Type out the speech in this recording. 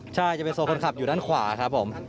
ใช่จะเป็นโซคนขับอยู่ด้านขวาครับผม